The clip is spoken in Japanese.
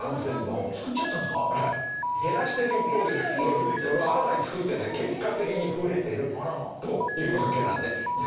減らしてる一方で新たに造ってるので結果的に増えてるというわけなんですね。